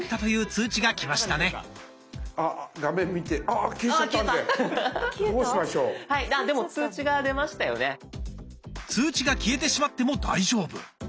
通知が消えてしまっても大丈夫。